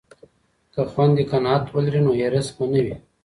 که خویندې قناعت ولري نو حرص به نه وي.